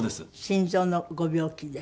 心臓のご病気で。